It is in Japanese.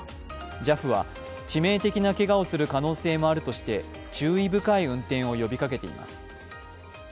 ＪＡＦは、致命的なけがをする可能性もあるとして、注意深い運転を呼びかけています。